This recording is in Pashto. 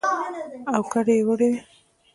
او کډه يې وړې وه.